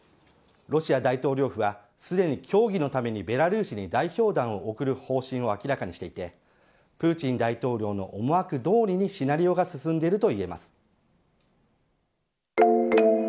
ロシア大統領府はすでに協議のためにベラルーシに代表団を送る方針を明らかにしていてプーチン大統領の思惑どおりにシナリオが進んでいるといえます。